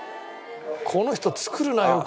この人作るなあよく。